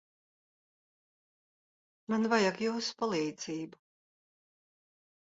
Man vajag jūsu palīdzību.